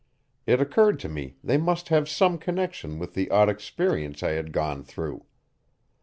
It occurred to me they must have some connection with the odd experience I had gone through.